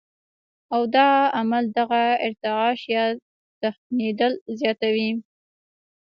او دا عمل دغه ارتعاش يا تښنېدل زياتوي